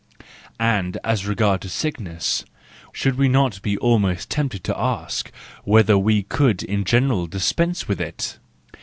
And as regards sickness, should we not be almost tempted to ask whether we could in general dispense with it